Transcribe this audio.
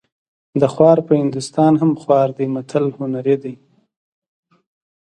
د خوار په هندوستان هم خوار دی متل هنري دی